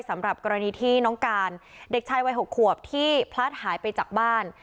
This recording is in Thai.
สำหรับกรณีที่น้องการเด็กชายวัย๖ขวบที่พลัดหายไปจากบ้าน